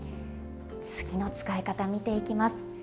次の使い方見ていきます。